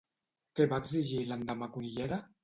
Què va exigir l'endemà Cunillera?